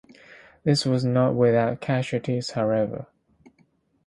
This was not without casualties, however.